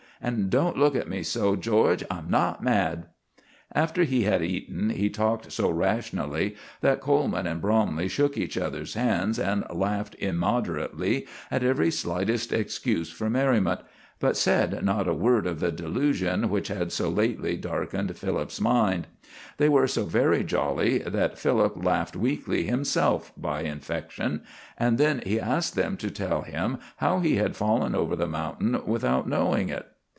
And don't look at me so, George; I'm not mad." After he had eaten, he talked so rationally that Coleman and Bromley shook each other's hands and laughed immoderately at every slightest excuse for merriment, but said not a word of the delusion which had so lately darkened Philip's mind. They were so very jolly that Philip laughed weakly himself by infection, and then he asked them to tell him how he had fallen over the mountain without knowing it.